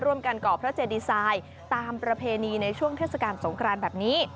ก่อพระเจดีไซน์ตามประเพณีในช่วงเทศกาลสงครานแบบนี้